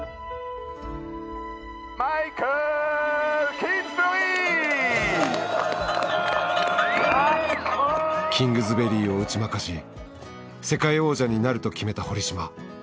キングズベリーを打ち負かし世界王者になると決めた堀島。